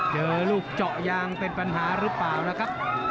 เจอลูกเจาะยางเป็นปัญหาหรือเปล่านะครับ